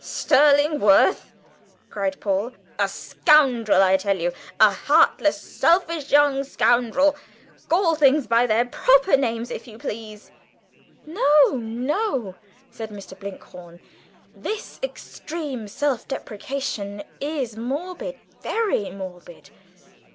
"Sterling worth!" cried Paul. "A scoundrel, I tell you, a heartless, selfish young scoundrel. Call things by their right names, if you please." "No, no," said Mr. Blinkhorn, "this extreme self depreciation is morbid, very morbid.